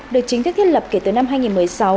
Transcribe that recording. được chính thức thiết lập kể từ năm hai nghìn một mươi sáu